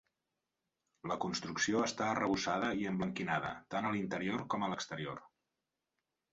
La construcció està arrebossada i emblanquinada, tant a l'interior com a l'exterior.